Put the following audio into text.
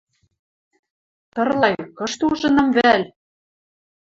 Тырлай, кышты ужынам вӓл?